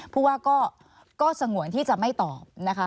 ผู้ว่าก็สงวนที่จะไม่ตอบนะคะ